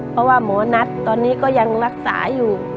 เพราะว่าหมอนัทตอนนี้ก็ยังรักษาอยู่